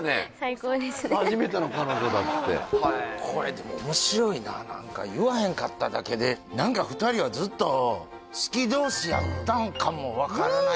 初めての彼女だってこれでも面白いな何か言わへんかっただけで何か２人はずっと好き同士やったんかもわからないですよね